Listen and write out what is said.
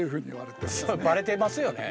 それバレてますよね。